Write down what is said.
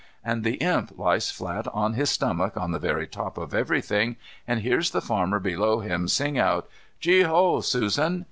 And the Imp lies flat on his stomach on the very top of everything, and hears the farmer below him sing out, "Gee hoa, Susan!"